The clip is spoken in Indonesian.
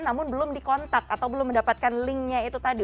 namun belum dikontak atau belum mendapatkan linknya itu tadi